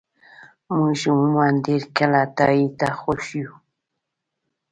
موږ عموماً ډېر کله تایید ته خوښ یو.